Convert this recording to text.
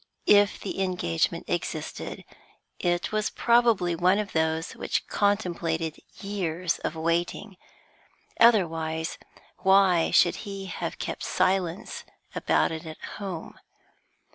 If the engagement existed, it was probably one of those which contemplated years of waiting, otherwise why should she have kept silence about it at home?